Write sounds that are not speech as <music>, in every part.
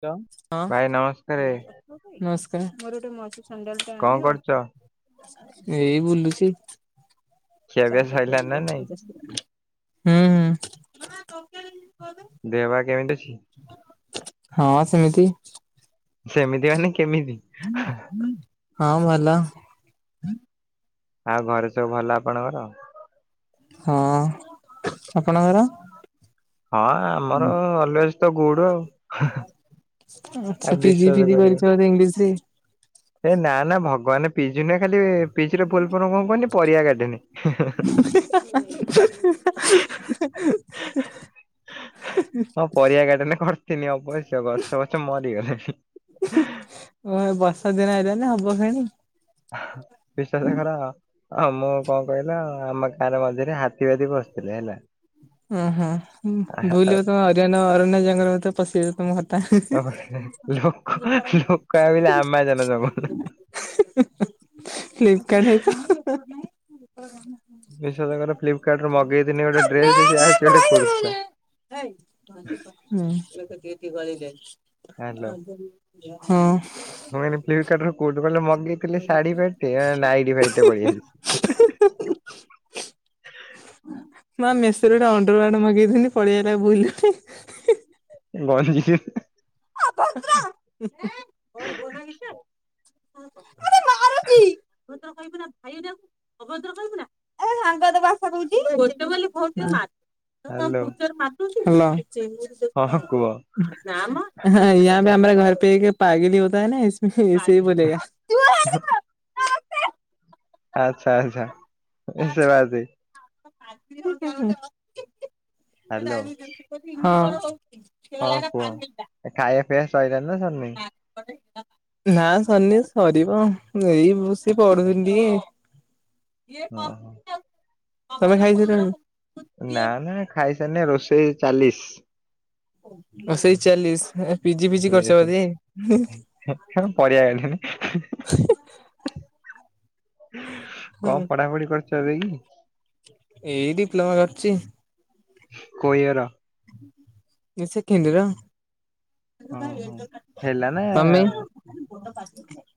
ତ ଭାଇ ନମସ୍କାରେ। ନମସ୍କାର। କଣ କରୁଛ? ଏଇ ବୁଲୁଛି। ଖିଆପିଆ ସଇଲାଣି ନା ନାଇଁ ହୁଁ- ହୁଁ। ଦେହ ପା କେମିତି ଅଛି? <inaudible> ହଁ ସେମିତି। ସେମିତି ମାନେ କେମିତି? ହଁ ଭଲ। ଆଉ ଘରେ ସବୁ ଭଲ ଆପଣଙ୍କର? ହଁ ଆପଣଙ୍କର? ହଁ ଆମର ଅଲୱେଜ୍ ତ ଗୁଡ ଆଉ। ଆଉ ଆଚ୍ଛା ପିଜି ବିଶ୍ଵାସ ଫିଜି କରିବନି। କରିଛ ବୋଧେ ଇଂଲିଶି? ଏ ନା-ନା ଭଗବାନେ ପିଜି ନୁହେଁ ଖାଲି ପିଜିର ଫୁଲ୍ ଫର୍ମ କଣ କୁହନି ପରିବା ଗାର୍ଡେନେ ହେଁ-ହେଁ। <inaudible> ହଁ ପରିବା ଗାଡେନେ କର୍ ଥିନି ଅବଶ୍ୟ ଗଛ ଫଛ ମରିଗଲେଣି। ବର୍ଷା ଦିନ ଆଇଲାନି ନା ହବ ଫେଣି। ବିଶ୍ୱାସ କର ହଁ ମୁଁ କଣ କହିଲ ଆମ ଗାଁରେ ମଝିରେ ହାତୀ ଫାତି ପଶଥିଲେ ହେଲା। ଉଁ ହୁଁ ଭୁଲରେ ବୋଧେ ତମେ ହରିଆନା ଅରଣ୍ୟ ଜଙ୍ଗଲ ଭିତରେ ପଶିଛ ତମ ଲୋକ ଲୋକ ଭାବିଲେ ଆମାଜନ ଜଙ୍ଗ ହେ-ହେ-ଅଁ ଫ୍ଲିପ୍କକାଡ୍ ହେ ତ <unintelligible> ବିଶ୍ଵାସ କର ଫ୍ଲିପକାର୍ଟ ରୁ ମଗେଇଥିନି ଗୋଟେ ଡ୍ରେସ ସିଏ ଆସିଛି ଗୋଟେ କୁର୍ତ୍ତା। ଏଇ ହ୍ୟାଲୋ। <inaudible> ହଁ। ମୁଁ ଏଇନେ ଫ୍ଲିପକାର୍ଟରୁ କଉଠି କଲେ ମଗେଇଥିଲି ଶାଢୀ ଫାଡି ଟେ ଏ ନାଇଟି ଫାଇଟି ଟେ ପଲେଇଆ ମା ମେସୋରେ ଗୋଟେ ଅଣ୍ଡର ୱାର୍ଡ ମଗେଇଥିନି ପଳେଇ ଆଇଲା ଭୁଲରେ ଗ <unintelligible> <unintelligible> ମୋତେ ମାରୁଛି <inaudible> ଅଭଦ୍ର କହିବୁ ନା ଏ ସାଙ୍ଗ ତ ଭାଷା କହୁଛି <unintelligible> ହାଲୋ। ଆହଁ ହ୍ୟାଲୋ ହଁ କୁହ ୟାଁହାଁ ପେ ହମରା ଘର ପେ ଏକ ପାଗେଲି ହୋତା ହେ ଇସ୍ମେ ଏସେ ହି ବୋଲେଗା ଆଚ୍ଛା ଆଚ୍ଛା ସେ ବାଦେ ହ୍ୟାଲୋ ହଁ। ହଁ କୁହ ଖାଇବା ପିଇବା ସଇଲାଣି ନା ସରନି? ନା ସରନି ସରିବ ଆଉ ଏଇ ବସି ପଢ଼ୁଥିନି ଟିକେ ଓହୋ ତମେ ଖାଇସାରିଲଣି? ନା ନା ଖାଇସାରନି ରୋଷେଇ ଚାଲିଶ। ଆଉ ସେଇ ଚାଲିଶ ପିଜି ପିଜି ଇଏ କରିଛ ସେ ବଧେ? <unintelligible> ହୁଁ କଣ ପଢାପଢି କରିୁଛ ଏବେ କି? ଏଇ ଡିପ୍ଲୋମା କରିଛି। କୋଇର? Second year. ଓହୋ ହେଲାନା ତମେ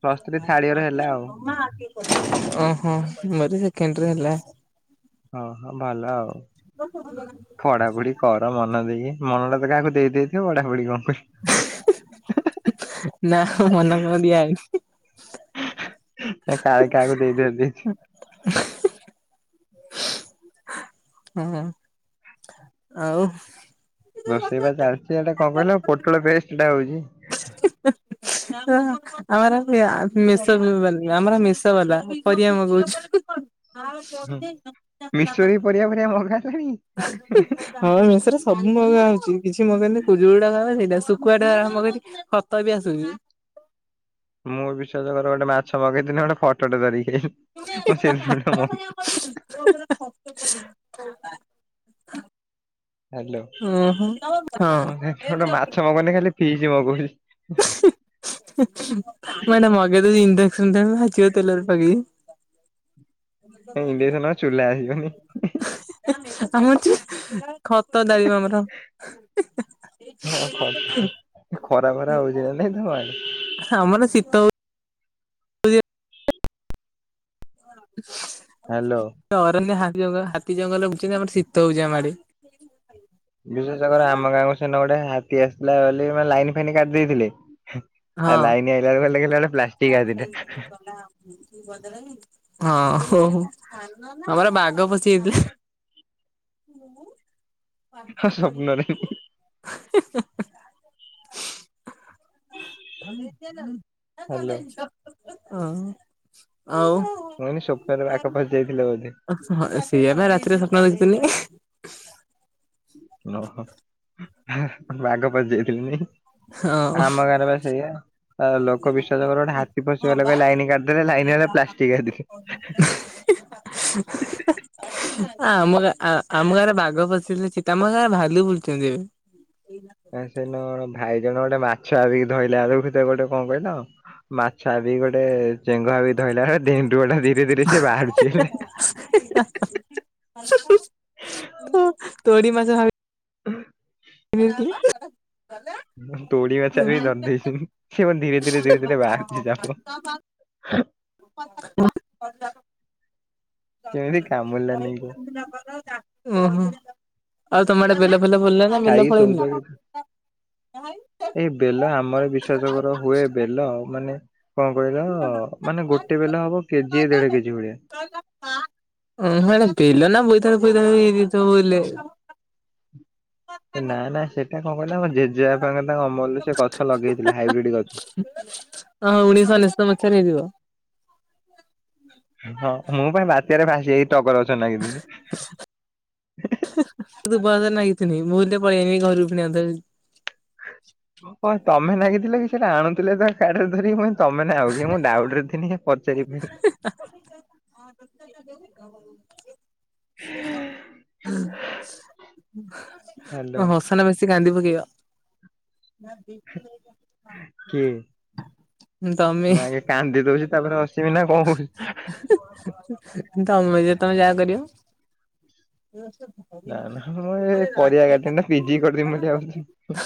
ପ୍ଲସ ଥ୍ରୀ ଥାର୍ଡ ଇଅର ହେଲା ଆଉ। ହଁ। ଓହୋ ମରି ସେକେଣ୍ଡ ଇଅର ହେଲା। ହଁ ହଁ ଭଲ ଆଉ। ପଢାପଢି କର ମନ ଦେଇକି ମନଟା ତ କାହାକୁ ଦେଇେଇଥିବ ପଢାପଢି କଣ କରିବ। ନା ମନ କ ଦିଆ ଆଇନ୍। ନା କାଳେ କାହାକୁ ଦେଇ ଦିଅନ୍ତି। ହ ହୁଁ ଆଉ ରୋଷେଇବା ଚାଲିଛି ଏଟା କଣ କହିଲ ପୋଟଳ ପେଷ୍ଟଟା ହୋଉଚି। ତ ଆମର <unintelligible> ଆମର ମିଶ ବାଲା ପରିବା ମଗଉଛୁ। ଆ ହୁଁ ଚ ଖଲା ମିଶୋରି ପରିବା ଫରିବା ମଗା ହେଲାଣି ହଁ ମେଷରେ ସବୁ ମଗା ହଉଛି କିଛି ମଗନି କୁଜୁ ଟା ଖବା ସେଇଟା ଶୁକୁଆ ଟା ଆରମ୍ଭ କରିି ଖତ ବି ଆସୁନି। ମୁଁ ବିଶ୍ୱାସ କର ଗୋଟେ ମାଛ ମଗେଇଥିଲି ଗୋଟେ ଫୋଟୋ ଟେ ଧରିକି ଆଇଲି। ମୁଁ ସେଇଦିନଠୁ ମଗୁ ହ୍ୟାଲୋ ଓହୋ ହଁ। ମୁଁ ସେଠୁ <unintelligible> ମାନେ ମଗେ ତ ଇଣ୍ଡସନ୍‌ <unintelligible> ଇଣ୍ଡେସନ ଚୁଲା ଆସିବନି। ଆମ ଖତ ତାରିବ ଆମର। ହଁ ହଁ ଖରା ଫରା ହଉଛି ନା ନାଇଁ ତମ ଆଡେ ଆମର ଶୀତ ହୋଉ ହଁ ହ୍ୟାଲୋ। ଅରନ୍ୟ ହାତୀ ହାତୀ ଜଙ୍ଗଲ ହଉଚି ନା ଆମର ଶୀତ ହୋଉଛି ଆମ ଆଡେ। ବିଶ୍ଵାସ କର ଆମ ଗାଁକୁ ସେଦିନ ଗୋଟେ ହାତୀ ଆସିଥିଲା ବୋଲି ମାନେ ଲାଇନ୍ ଫାଇନ୍ କାଟି ଦେଇଥିଲେ। ଆ ଲାଇନ୍ ଆଇଲା <unintelligible> ପାରେ ଗଲା ଆଉ କି ବଦଳ <unintelligible> ହଁ ଓହୋ ଆମର ବାଘ ପଶିଯାଇଥିଲା। ମୁ ହଁ ପାଠ ସ୍ୱପ୍ନରେ ପଢିଯିବୁ। ମ <unintelligible> ହ୍ୟାଲୋ ମୁଁ ହଁ ଆଉ ମୁଁ କହିନି ସ୍ୱପ୍ନରେ ବାଘ ପଶି ଯାଇଥିଲେ ବୋଧେ। ସେଇଆ ପା ରାତିରେ ସ୍ବପ୍ନ ଦେଖିଥିନି। ଓହୋ ବାଘ ପଶି ଯାଇଥିଲେ ନାଇ। ହଁ ଆମ ଗାଁରେ ବା ସେଇଆ। ଆଉ ଲୋକ ବିଶ୍ଵାସ କରିବନି ହାତୀ ପଶିଗଲା କହିକି ଲାଇନ୍ କାଟିିଦେଲେ। ଲାଇନ୍ ଆଇଲା ବେଳକୁ ପ୍ଲାଷ୍ଟିକ ହାତୀ। <inaudible> ଆ ଆମ ଗାଁ ଆ ଆମ ଗାଁରେ ବାଘ ପଶିଥିଲେ ଚିତା ଆମ ଗାଁରେ ଭାଲୁ ବୁଲୁଚନ୍ତି ଏବେ। ଆ ସେଦିନ କଣ ଭାଇ ଜଣେ ଗୋଟେ ମାଛ ଭାବିକି ଧଇଲା ଅଳୁ ହେତା ଗୋଟେ କଁ କହିଲ ମାଛ ଭାବିକି ଗୋଟେ ଚେଙ୍ଗ ଭାବି ଧଇଲା ଅଳେ ଧେଣ୍ଡୁଅଟା ଦି <inaudible> ଶେଷୁ ତୋ ତୋଡ଼ି ମାଛ ଭାବି ବିଲ୍ ତୁ <inaudible> ମୁଁ ତୋଡି ମାଛରା ବି ଧରି ଦେଇଛି ମୁଁ ସେ ମ ଧୀରେ ଧୀରେ ଧୀରେ ଧୀରେ ବାହାରୁଚି ଯାମ କେମିତି କାମୁଡ଼ିଲା ନେଇ କୁହ। ଡୁନାପାଦ ଗାଁ ଓହୋ ଆଉ ତମ ଆଡ଼େ ବେଲ ଫେଲ ଭଲା ଖାଇକି ଶୋଉଚ ହି ଏଇ ବେଲ ଆମର ବିଶ୍ବାସ କର ହୁଏ ବେଲ ମାନେ କଣ କହିଲ ମାନେ ଗୋଟେ ବେଲ ହବ କେଜି ଦେଢ଼ କେ ଜି ଭଳିଆ। ଉଁ ହୁଁ ଏଟା ବେଲ ନା ବୋଇତାଳୁ ଫୋଇତାଳୁ ଦିଥ ବୋଲେ ଏ ନାଁ ନାଁ ସେଟା କଁ କହିଲ ଆମ ଜେଜେ ବାପାଙ୍କ ତାଙ୍କ ଅମଲରୁ ସେ ଗଛ ଲଗେଇଥିଲେ ହାଇବିଡି଼ ଗ ହଁ ଉଣେଇଶ ଅନେଶତ ମସିହାରେ ହେଇଥିବ। ହଁ ମୁଁ ପା ଏ ବାତ୍ୟାରେ ଭାସି ଯାଇ ଟଗର ଗଛରେ ନାଗିଥିନି। ଦୁବ ଘାସରେ ନାଗଥିନି ଭୁଲରେ ପଳିଆଇନି ଘରୁକୁ ପୁଣି ଆଉ ଥରେ। କଣ ତମେ ନାଗିଥିଲ କି ସେଟା ଆଣୁଥୁଲେ ତ ଖାଡି଼ରେ ଧରିକି। ମୁଁ କହିନି ତମେ ନା ଆଉ କି ମୁଁ ଡାଉଟରେ ଥିନି ହେ। ପଚାରିଫାଇ ହ ତାହେଲେ ହୁଁ ଅଁ ହସନା ବେଶୀ କାନ୍ଦି ପକେଇବା। କିଏ? ଉଁ ତମେ। ମୁଁ ଆଗେ କାନ୍ଦି ଦୋଉଚି ତାପରେ ହସିମି ନାଁ କଁ କୋଉଚୁ? ତମେ ଯେ ତମେ ଯାହା କରିବ। ଏ ସେ ନାଁ ନାଁ ମୁଁ ହେ ପରିବା କାଟେନା ପି ଜି କରିଦେମି ବୋଲି ଆଉ କିଛି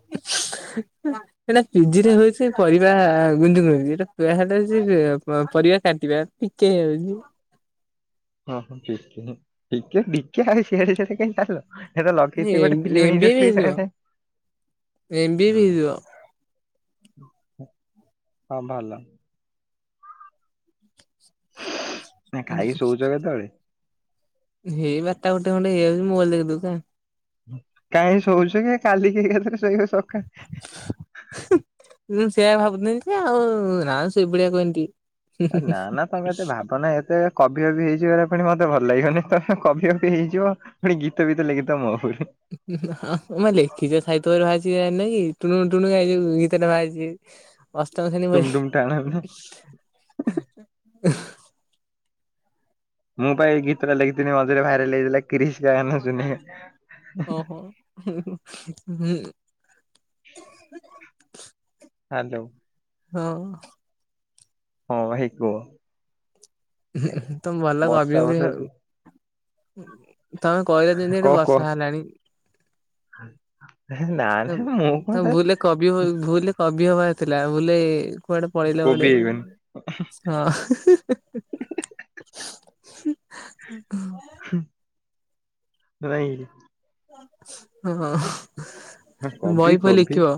ଇଛ୍ ଏଟା ପି ଜି ରେ ହଉଛି କରିବା ଗୁଞ୍ଜୁ ଗୁଞ୍ଜୁ ଏଟା ପିହାଟେ ଜି ପ ପରିବା କାଟିବା। ଇକେ ରହିଯି ଟିକେ ଡିକେ ଆରେ ସିଆଡ଼େ ସିଆଡ଼େ କାଇଁ ତାଲ? ହେଟା ଲଗେଇଥି ଗୋଟେ ଏମ ବି ଏ ଫିଲ୍ମ ବି ଇଣ୍ଡଷ୍ଟ୍ରି ହେଇଯିବ। ସାଙ୍ଗରେ। ଏମ ବି ଏ ବି ହେଇଯିବ ହଁ ଭଲ। <inaudible> ନାଇଁ ଖାଇ ଶୋଉଚ କେତୋଳେ? ହେଇ ବରଟା ଗୋଟେ ଖଣ୍ଡେ ହେଇ ଯାଉଚି ମୋବାଇଲ ଦେଖୁ ଦେଖୁଁ। କାଇଁ ଶୋଉଚୁ କି କାଲିିକି ଏକା ଥରେ ଶୋଇବୁ ସକା ଉଁ ସେଇଆ ଭାବୁଥୁନି ଯେ ଆଉ ନାଁ ଶୋଇ ପଡ଼ିଆ କହିନି ଟି ଏ ନାଁ ନାଁ ତମେ ଏତେ ଭାବନା ଏତେ। କବି ଅବି ହେଇ ଯିବ ଏରା ଫୁଣି ମତେ ଭଲ ଲାଗିବନି ତମେ କବି ଅବି ହେଇଯିବ। ପୁଣି ଗୀତ ଫୀତ ଲେଖିଦବ ମୁଁ ପା ଲେଖିଛ ସାହିତ୍ୟରେ ବାହାରିଚି ଜାଣିନ କି ଟୁଣୁ ଟୁଣୁ ଏଇ ଯୋଉ ଗୀତ ଟା ବାହାରିଚି। ଅଷ୍ଟମ ଶ୍ରେଣୀ ଟୁମ୍ ବହି ଟୁମ୍ ଟାଣ ମୁଁ ପା ଏଇ ଗୀତ ଟା ଲେଖିଥିନି ମଝିରେ ଭାଇରାଲ ହେଇଥିଲା କ୍ରିସ କା ଗାନା ସୁନେଗା। ଓହୋ ହୁଁ ହାଲୋ। ହଁ। ହଁ ଭାଇ କୁହ। ଏ <unintelligible> ତମେ ବର୍ଷା କହିଲ ଯେମିତି ବର୍ଷା ଏଠି ବର୍ଷା ହେଲାଣି। ହେ ନା ନା ମୁଁ ତମେ କଣ ଗାଏ। ଭୁଲରେ କବି ହୁ ଭୁଲରେ କବି ହବାର ଥିଲା ଭୁଲରେ କୁଆଡେ ପଳେଇଲ କୋବି ଗୋଟେ। ହେଇଗଲି ହଁ ନାଇଁ। ହଁ ହଁ ନା କବି ବହି ଫହି କବି ଲେଖିବ।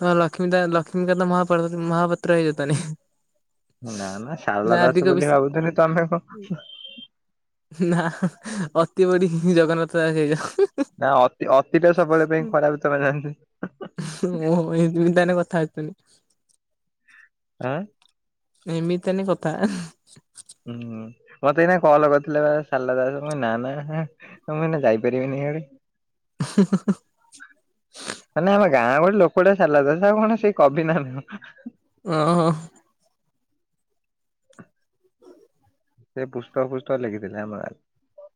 ତମେ ଲକ୍ଷ୍ମୀ ତା ଲକ୍ଷ୍ମୀକାନ୍ତ ମହାପାଳ ମହାପାତ୍ର ହେଇଯାତନି। ନା ନା ସାରଳା ଦାସ କବି ବୋଲି ଭାବୁଥିଲି ତମେ କଣ ନା ଅତି ବଡି ଜଗନ୍ନାଥ ଦାସ ହେଇଯାଅ, ହୁଁ। ନା ଅତି ଅତି ଟା ସବୁବେଳେ ପାଇଁ ଖରାପ ତମେ ଜାଣି ଓହୋ ଏଇଥିପାଇଁ ତାହେଲେ କଥା ଆସୁନି। ଆଁ ଏମିତି ତାନି କଥା। ହୁଁ ମତେ ଏଇନା କଲ କରିଥିଲା ବା ସାରଲା ଦାସ୍ ମୁଁ କଇଲି ନା ନା ହାଁ। ଏ ମୁଁ ଏଇନା ଯାଇ ପାରିବିନି ଇଆଡ଼େ। <unintelligible> ମାନେ ଆମ ଗାଁ ଗୋଟେ ଲୋକ ଟା ସାରଲା ଦାସ ଆଉ କଣ ସେଇ କବି ନା ନୁହଁ। ଅଁ ହଁ। ସେ ପୁଷ୍ଟ ପୁଷ୍ଟ ଲେଖିଥିଲେ <unintelligible>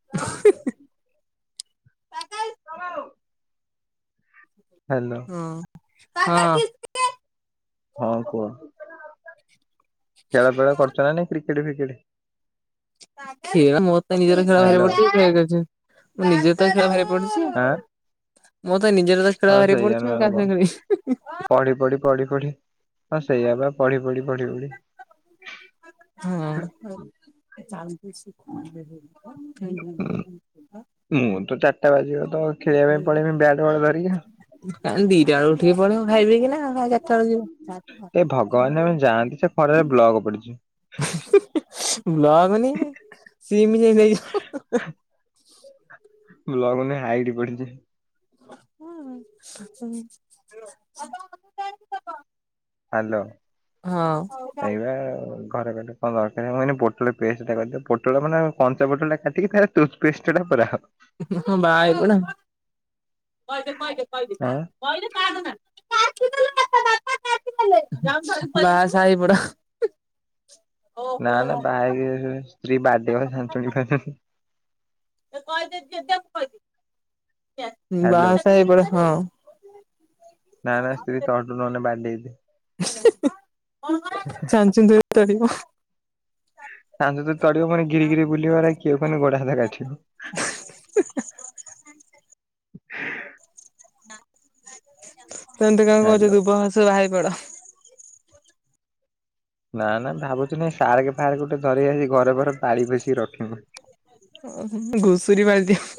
<unintelligible> <unintelligible> ହାଲୋ। ହଁ ହଁ। ହଁ କୁହ ଖେଳ ଫେଳ କରୁଚ ନା ନାଇଁ କ୍ରିକେଟ୍ ଫ୍ରିକେଟ୍। ଖେଳ ମୋର ତ ନିଜର ଖେଳ ଭାରି ହ୍ୟାଲୋ ପଡିୁଚି <unintelligible> ନିଜର ତ ଖେଳ ଭାରି ପଡିୁଚି। ଆଁ। ମୋ ତ ନିଜର ତ ଖେଳ ବାହାରି ପଡୁଚି ମୁଁ କାହା ସାଙ୍ଗେ ଖେଳିବି। ପଢ଼ି ପଢ଼ି ପଢ଼ି ପଢ଼ି ହଁ ସେଇଆ ବା ପଢ଼ି ପଢ଼ି ପଢ଼ି ପଢ଼ି। ହଁ <unintelligible> କାଇଁ ଭାଙ୍ଗୁଥ ମୁଁ ତ ଚାରିଟା ବାଜିବ ତ ଖେଳିବା ପାଇଁ ପଳେଇବି ବ୍ୟାଟ୍ ବଲ ଧରିକି। କାଇଁ ଦିଟା ବେଳୁ ଉଠିକି ପଡିବ ଖାଇ ପିଇକିନା। ଏ ଭଗବାନେ ମୁଁ ଜାଆନ୍ତି ଯେ ଖରାରେ ବ୍ଲକ ପଡିଚି। <unintelligible> ବ୍ଲଗ ନିି ସିମ ଇଏ ନେଇଯାଉ ବ୍ଲଗ୍ ମାନେ ଆଇଡି ପଡିଚି। <unintelligible> ହାଲୋ ହଁ ଏଇବା ଘରେ ଗଲେ। ହଁ ଦରକାର ମୁଁ ଏ ପୋଟଳ ପେଷ୍ଟଟା କରିଦେ ପୋଟଳ ମାନେ କଞ୍ଚା ପୋଟଳଟା କାଟିକି ତା ଦେହରେ ଟୂଥ ପେଷ୍ଟଟା କରାହବ। ହଁ ବାହାହେଇପଡେ କଇଦେ-କଇଦେ କଇଦେ। ହୁଁ। କଇଦେ କାନ୍ଦେନା <unintelligible> <unintelligible> ବାହା ସାହା ହେଇ ପଡ। ନା ନା ବାହା ହେଇକି ସ୍ତ୍ରୀ ବାଡେଇବ ଛାଞ୍ଚୁଣି ଫାଞ୍ଚୁଣି। କହିଦେ <unintelligible> ବାହା ହାଲୋ ସାହା ହେଇ ପଡ ହଁ। ନା ନା ସ୍ତ୍ରୀ କଅଣ୍ଟୁ ନହେଲେ ବାଡେଇବେ। ହିଁ ହିଁ <unintelligible> ଛାଞ୍ଚୁଣି ଧରିକି ବାଡ଼େଇବ।। ସାଙ୍ଗ ତଡିବ ପୁଣି ଗିରି ଗିରି ବୁଲିବ କିଏ ଗୋଡ ହାତ କାଟିବ। <inaudible> ସେମିତି କାଇଁ କହୁଛୁ ହାଲୋ ଦୁବ ଘାସ ବାହା ହେଇ ପଡ। ନା ନା ଭାବୁଥିଲି ଶାର୍କ ଫାର୍କ ଗୋଟେ ଧରି ଆଣି ଘରେ ବରଂ ପାଳି ପୋସି ରଖୀମୁ। ଓ ହୋ ଘୁଷୁରୀ ପାଳିଦିଅ।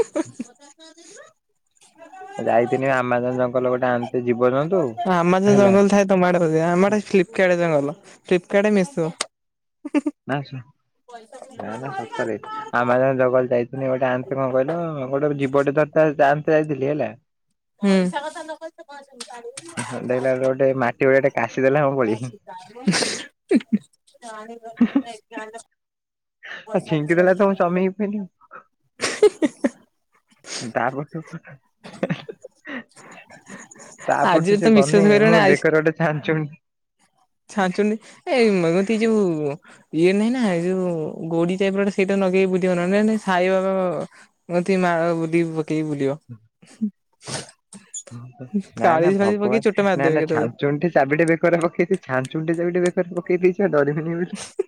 ଯାଇଥିଲି ଆମାଜନ୍ ଜଙ୍ଗଲ ଗୋଟେ ଆଣନ୍ତେ ଜୀବଜନ୍ତୁ। ଆମଜନ୍ ହେଲା ଜଙ୍ଗଲ ଥାଏ। ତମ ଆଡେ ପା ସେୟା ଆମେ ଫ୍ଲିପକାର୍ଟ ଯା ଭଲ ଫ୍ଲିପକାର୍ଟ ମେସୋ। ନା ନା-ନା ସତରେ। ଆମାଜନ ଜଙ୍ଗଲ ଯାଇଥିଲି ଗୋଟେ ଆଣିଥିଲି କଣ କହିଲ ଗୋଟେ ଜୀବଟେ ଧରି ତା ସହିତ ଯାଇଥିଲି ହେଲା। ହୁଁ। ଭଲ ଲାଗିଲା ଗୋଟେ ମାଟି ଘୋଡାଟେ କାସି ଦେଲା ମୁଁ ପଳେଇ ଆଇଲି। <unintelligible> ଆଉ ଛିଙ୍କି ଦେଲା ତ ମୁଁ ଚମିକି ପଇଲି। ହିଁ ହିଁ <unintelligible> ତା ପରଠୁ ଆଜିରେ ସେ ତମେ ବିଶ୍ଵାସ ଗଲେ ମୁଁ କରିବନି ବେକରେ ଗୋଟେ ଛାଞ୍ଚୁଣି। ଛାଞ୍ଚୁଣି ଏଇ ମତେ ଯୋଉ ଇଏ ନାହିଁ ନା ଏଇ ଯୋଉ ଗୋଡି ଟାଇପରଟେ ସେଇଟା ଲଗେଇକି ବୁଲିବ ନହେଲେ ସାଇବାବା ମୋତି ମାଳ ବୁଲି ପକେଇି ବୁଲିବ। ନା କାଳି ନା ଫାଳି ପକେଇ ଚୋଟ ଭଗବାନ ନା ମାରିଦେବେ ନା କେତେବେଳେ ଛାଞ୍ଚୁଣିଟେ ଚାବିଟେ ବେ ବେକରେ ପକେଇ ଛାଞ୍ଚୁଣି ଗୋଟେ ବେକରେ ପକେଇ ଦେଇଛି ଡରିବିନି ବୋଲି। ହିଁ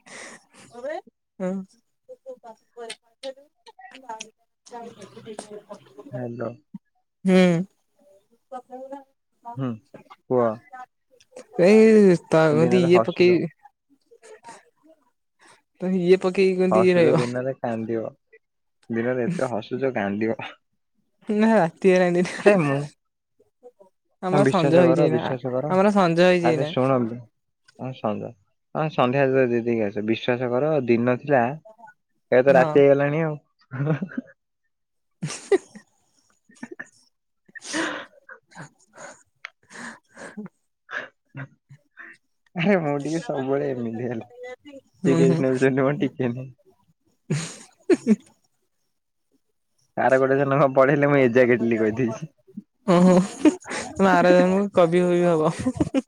ମୁଁବେ ହଁ। <unintelligible> ହାଲୋ। ହୁଁ। ପକେଇବୁ ନା। ହୁଁ କୁହ। ଏଇ ତା କତି ଦିନରେ ଇଏ ହସୁଛ ପକେଇବି। ତ ଇଏ ପକେଇ ଗ ହସୁଛ ଦିନରେ କାନ୍ଦିବ ଦିନରେ ଏତେ ହସୁଛ କାନ୍ଦିବ ହଁ ନାଁ ରାତିରେ କାନ୍ଦିବି ହାଁ ହଁ ଆମର ବିଶ୍ଵାସ ସଞ୍ଜ ହେଇଛି କର ବିଶ୍ଵାସ କର ଏଇନା--ଆମର ସଞ୍ଜ ହେଇଛି ଆରେ ଏଇନା। ଶୁଣ ହଁ ସଞ୍ଜ ହଁ ସନ୍ଧ୍ୟା ହି ସନ୍ଧ୍ୟା ଦେଇ ଦେଇକି ଆସ ବିଶ୍ୱାସ କର ଦିନ ଥିଲା। ଏବେ ତ ହଁ ରାତି ହେଇଗଲାଣି ଆଉ। ହୁଁ ହୁଁ <inaudible> <inaudible> <inaudible> <inaudible> ଆରେ ମୁଁ ଟିକେ ସବୁବେଳେ ଏମିତି ହେଲା ହୁଁ ହୁଁ ସେଇଥିପାଇଁ ଟିକେନି ଆର ଗୋଟେ ଜଣ କଣ ପଢେଇଲେ ମୁଁ ଏଜା କେଟିଲି କହିଦେଇଚି। ଓହୋ ହୁ ହୁ ତମେ ଆରଜନମକୁ କବି ଫବି ହବ।